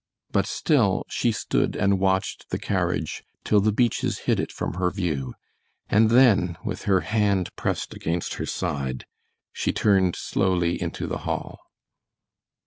But still she stood and watched the carriage till the beeches hid it from her view, and then, with her hand pressed against her side, she turned slowly into the hall.